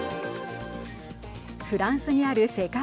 フランスにある世界